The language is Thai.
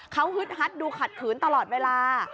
เขาฮึดฮัดดูขัดขืนตลอดเวลา